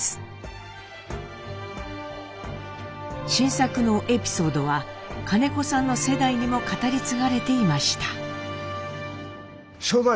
新作のエピソードは金子さんの世代にも語り継がれていました。